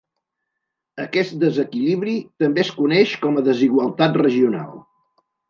Aquest desequilibri també es coneix com a desigualtat regional.